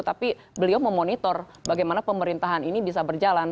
tapi beliau memonitor bagaimana pemerintahan ini bisa berjalan